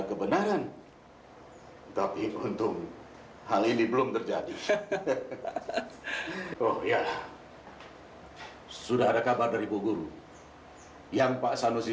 kebenaran tapi untung hal ini belum terjadi oh ya sudah ada kabar dari bu guru yang pak sanusi